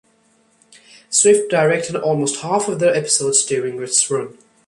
Swift directed almost half of the episodes during its run.